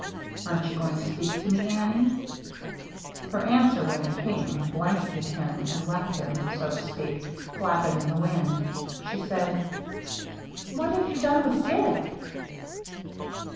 " Aren't you going to speak to me, Annie ?" Her answer, when it came, blanketed him, and left him, so to speak, flapping in the wind. She said, " What have you done with Dick